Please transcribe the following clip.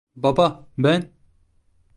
Baba, ben…